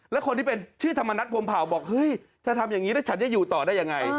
แล้วคนที่เป็นชื่อธรรมนัฐพรมเผาบอกเฮ้ยถ้าทำอย่างนี้แล้วฉันจะอยู่ต่อได้ยังไง